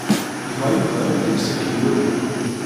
Yebɣa Yuba ad d-yas ad k-iwali.